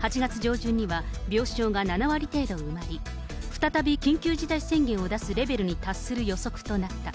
８月上旬には、病床が７割程度埋まり、再び緊急事態宣言を発するレベルに達する予測となった。